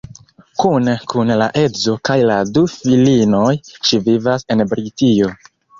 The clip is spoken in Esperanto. Kune kun la edzo kaj la du filinoj ŝi vivas en Britio.